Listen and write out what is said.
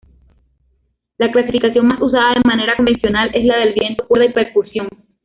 La clasificación más usada de manera convencional es la de viento, cuerda y percusión.